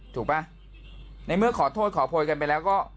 ถูกป่ะในเมื่อขอโทษขอโพยกันไปแล้วก็